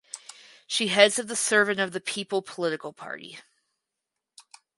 She heads of the Servant of the People political party.